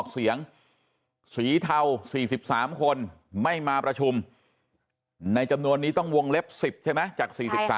เสียงสีเทา๔๓คนไม่มาประชุมในจำนวนนี้ต้องวงเล็บ๑๐ใช่ไหมจาก๔๓